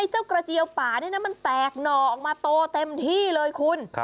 เจ้ากระเจียวป่านี่นะมันแตกหน่อออกมาโตเต็มที่เลยคุณ